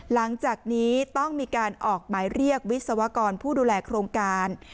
หลังจากนี้ต้องมีการออกหมายเรียกวิศวกรผู้ดูแลโครงการ